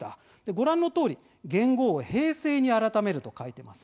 ご覧のとおり元号を平成に改めると書いています。